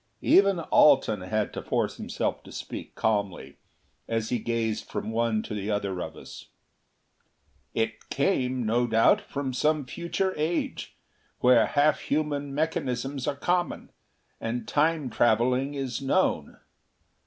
Even Alten had to force himself to speak calmly, as he gazed from one to the other of us. "It came, no doubt from some future age, where half human mechanisms are common, and Time traveling is known.